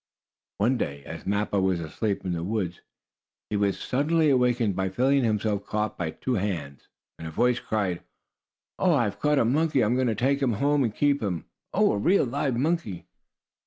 One day, as Mappo was asleep in the woods, he was suddenly awakened by feeling himself caught by two hands, and a voice cried: "Oh, I've caught a monkey. I'm going to take him home and keep him. Oh, a real, live monkey!"